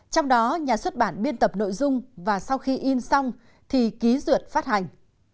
trong đó nhà xuất bản biên tập nội dung và sau khi in xong thì ký duyệt phát hành